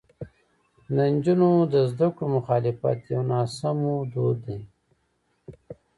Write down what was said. د نجونو د زده کړو مخالفت یو ناسمو دود دی.